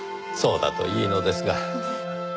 そうだといいのですが。